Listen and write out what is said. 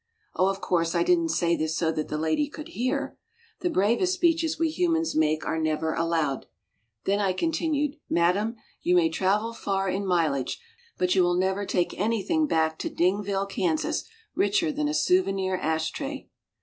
Oh, of course, I didn't say this so that the lady could hear. The bravest speeches we humans make are never aloud. Then I continued: "Madame, you may travel far in mileage but you will never take anything back to Dingville, Kansas, richer than a souvenir ash tray."